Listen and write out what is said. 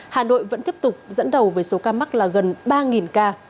hà nội vẫn tiếp tục dẫn đầu với số ca mắc là gần ba ca